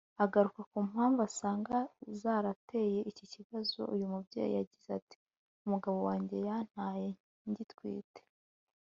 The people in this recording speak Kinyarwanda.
Agaruka ku mpamvu asanga zarateye iki kibazo uyu mubyeyi yagize ati “Umugabo wanjye yantaye ngitwite